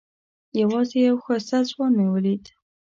یوازې یو ښایسته ځوان مې ولید.